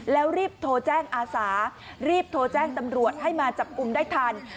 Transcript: แล้วรีบโทรแจ้งอาสารีบโทรแจ้งตำรวจให้มาจับกลุ่มได้ทัน